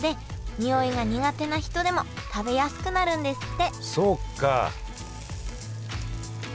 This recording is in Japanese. においが苦手な人でも食べやすくなるんですって